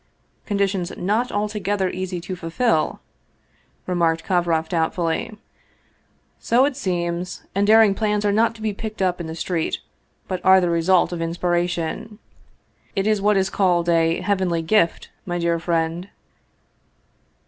" Conditions not altogether easy to fulfill," remarked Kovroff doubtfully. " So it seems. And daring plans are not to be picked up in the street, but are the result of inspiration. It is what is called a ' heavenly gift/ my dear friend."